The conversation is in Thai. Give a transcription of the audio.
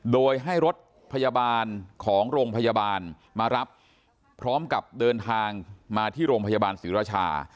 โดยให้รถพยาบาลของโรงพยาบาลมารับพร้อมกับเดินทางมาที่โรงพยาบาลศรีราชา